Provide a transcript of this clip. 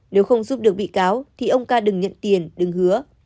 nếu không giúp được bị cáo thì ông ca đừng nhận tiền đứng hứa